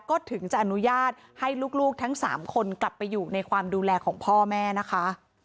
ก็ถึงจะอนุญาตให้ลูกทั้ง๓คนกลับไปอยู่ในความดูแลของพ่อแม่นะคะ